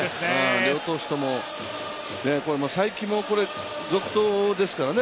両投手とも、才木も続投ですからね。